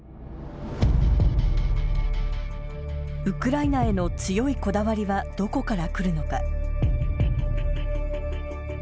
ウクライナへの強いこだわりはどこからくるのか。